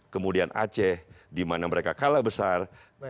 kemudian aceh di mana mereka kalah besar